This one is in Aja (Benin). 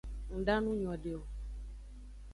Nda nu nyode o.